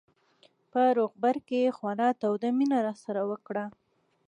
په روغبړ کې یې خورا توده مینه راسره وکړه.